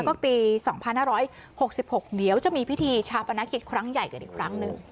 ก็ปีสองพันห้าร้อยหกสิบหกเดี๋ยวจะมีพิธีชาปนาคิดครั้งใหญ่กันอีกครั้งหนึ่ง